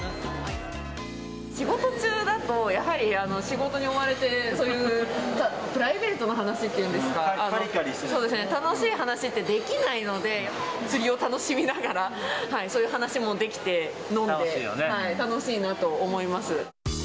仕事中だとやはり、仕事に追われて、そういうプライベートな話っていうんですか、楽しい話ってできないので、釣りを楽しみながら、そういう話もできて、飲んで、楽しいなと思います。